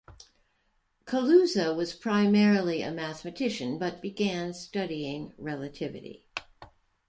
Kaluza was primarily a mathematician but began studying relativity.